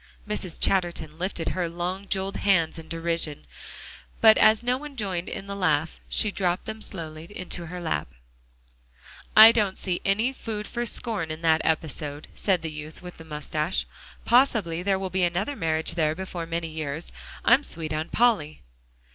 Mrs. Chatterton lifted her long jeweled hands in derision, but as no one joined in the laugh, she dropped them slowly into her lap. "I don't see any food for scorn in that episode," said the youth with the moustache. "Possibly there will be another marriage there before many years. I'm sweet on Polly."